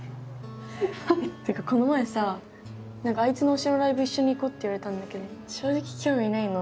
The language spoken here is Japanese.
てかこの前さなんかあいつの推しのライブ一緒に行こうって言われたんだけど正直興味ないの。